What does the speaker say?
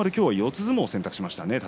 相撲を選択しましたね。